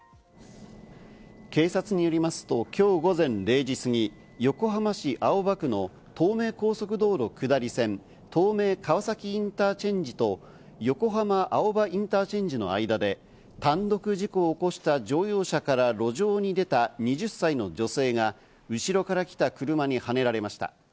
警察によりますと、今日午前０時すぎ、横浜市青葉区の東名高速道路下り線・東名川崎インターチェンジと、横浜青葉インターチェンジの間で単独事故を起こした乗用車から路上に出た２０歳の女性が後から来た車にはねられました。